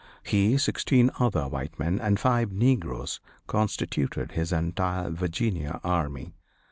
He, sixteen other white men and five negroes, constituted his entire Virginia army.